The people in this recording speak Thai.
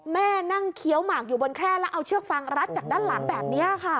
แม่นั่งเคี้ยวหมากอยู่บนแคร่แล้วเอาเชือกฟางรัดจากด้านหลังแบบนี้ค่ะ